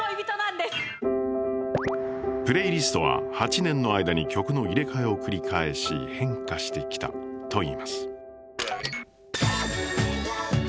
プレイリストは８年の間に曲の入れ替えを繰り返し変化してきたといいます。